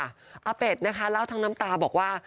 อาเป็ดนะคะเล่าทั้งน้ำตาบอกว่า